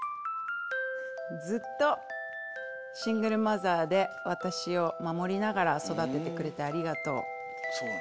ずっとシングルマザーで私を守りながら育ててくれてありがとう。